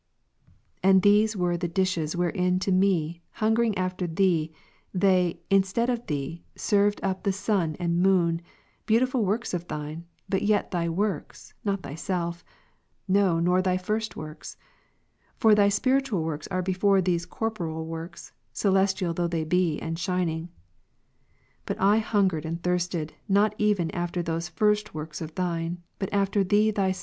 And these were the dishes wherein to me, hungering after Thee, they, instead of Thee, served up the Sun and Moon, beautiful works of Thine, but yet Thy works, not Thyself, no nor Thy first works. For Thy spiritual works are before these corporeal works, celestial though they be, and shining. But I hungered and thirsted not even after those first works of Thine, but after Thee Thy Jam.